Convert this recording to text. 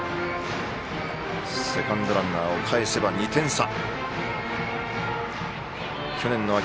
セカンドランナーをかえせば２点差。